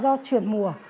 bị nhiễm virus